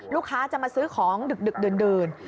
ลูกค้าจะมาซื้อของดึกดื่น